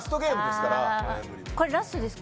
これラストですか？